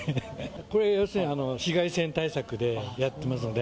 これは要するに紫外線対策でやってますので。